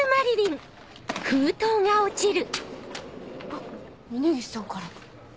あっ峰岸さんからの。